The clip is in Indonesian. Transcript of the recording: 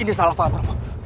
ini salah paham rompong